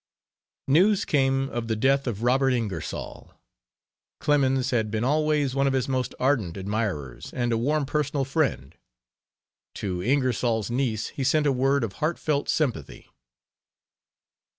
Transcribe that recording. News came of the death of Robert Ingersoll. Clemens had been always one of his most ardent admirers, and a warm personal friend. To Ingersoll's niece he sent a word of heartfelt sympathy.